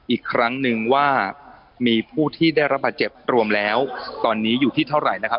อีกครั้งหนึ่งว่ามีผู้ที่ได้รับบาดเจ็บรวมแล้วตอนนี้อยู่ที่เท่าไหร่นะครับ